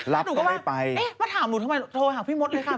เธอนูก็ว่ามาถามหนูทำไมโทรหาพี่มดแน่ค่ะ